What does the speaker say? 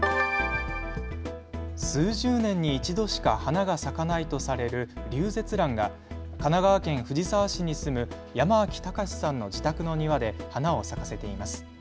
数十年に１度しか花が咲かないとされるリュウゼツランが神奈川県藤沢市に住む山脇孝さんの自宅の庭で花を咲かせています。